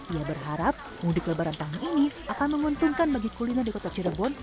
ia berharap mudik lebaran tahun ini akan menguntungkan bagi kuliner di kota cirebon